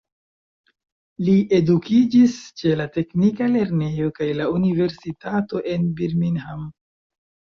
Li edukiĝis ĉe la teknika lernejo kaj la universitato en Birmingham.